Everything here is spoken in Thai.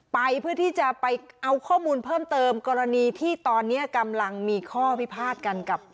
ไปเพื่อที่จะไปเอาข้อมูลเพิ่มเติมกรณีที่ตอนนี้กำลังมีข้อพิพาทกันกับ